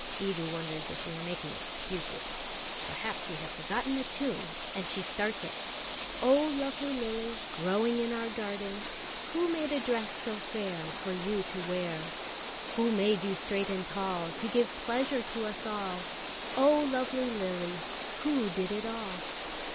Evu wonders if we are making excuses. Perhaps we have forgotten the tune, and she starts it: Oh, lovely lily, Growing in our garden, Who made a dress so fair For you to wear? Who made you straight and tall To give pleasure to us all? Oh, lovely lily, Who did it all?